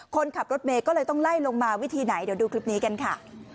คนขับรถเมย์ก็เลยต้องไล่ลงมาวิธีไหนเดี๋ยวดูคลิปนี้กันค่ะ